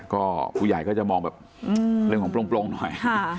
ก็ผู้ใหญ่ก็จะมองแบบเรื่องของโปร่งหน่อย